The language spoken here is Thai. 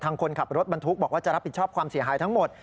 คนขับรถบรรทุกบอกว่าจะรับผิดชอบความเสียหายทั้งหมด